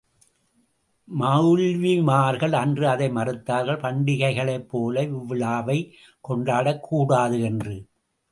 மெளல்விமார்கள் அன்று அதை மறுத்தார்கள் பண்டிகைகளைப் போல இவ்விழாவைக் கொண்டாடக் கூடாது என்று.